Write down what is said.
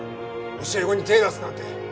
教え子に手出すなんて。